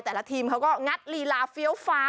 แต่ละทีมเขาก็งัดลีลาเฟี้ยวฟ้า